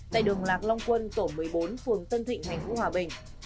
tại đường lạc long quân tổ một mươi bốn phường tân thịnh thành phố hòa bình